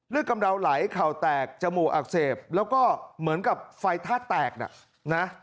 เลือกกำดาวไหลเข่าแตกจมูกอักเสบแล้วก็เหมือนกับไฟทาดแตกน่ะ